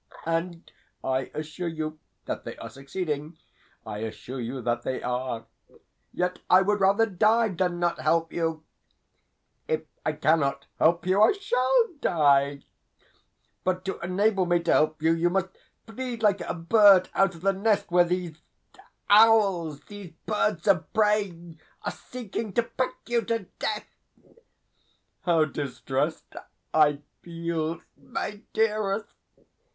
And I assure you that they are succeeding I assure you that they are. Yet I would rather die than not help you. If I cannot help you I SHALL die; but, to enable me to help you, you must flee like a bird out of the nest where these owls, these birds of prey, are seeking to peck you to death. How distressed I feel, my dearest!